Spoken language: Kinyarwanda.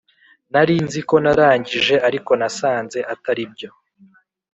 narinziko narangije ariko nasanze ataribyo